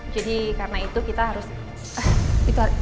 jadi karena itu kita harus